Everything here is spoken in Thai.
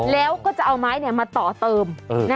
แล้วก็จะเอาม้ายนี้มาต่อเติม